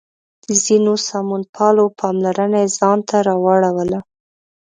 د ځینو سمونپالو پاملرنه یې ځان ته راواړوله.